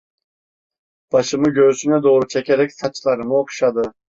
Başımı göğsüne doğru çekerek saçlarımı okşadı.